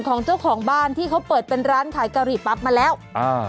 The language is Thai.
ของเจ้าของบ้านที่เขาเปิดเป็นร้านขายกะหรี่ปั๊บมาแล้วอ่า